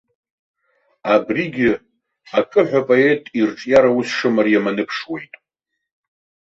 Абригьы акыҳәа апоет ирҿиара ус шымариам аныԥшуеит.